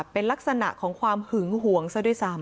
เป็นลักษณะของความหึงหวงซะด้วยซ้ำ